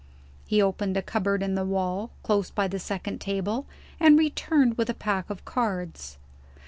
He opened a cupboard in the wall, close by the second table, and returned with a pack of cards.